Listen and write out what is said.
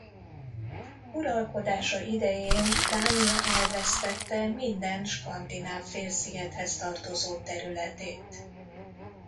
Uralkodása idején Dánia elvesztette minden Skandináv-félszigethez tartozó területét.